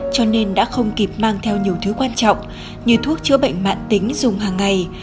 cho nên đã không kịp mang theo nhiều thứ quan trọng như thuốc chữa bệnh mạng tính dùng hàng ngày